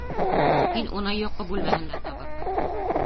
Һин уны йоҡо бүлмәһендә табырһың.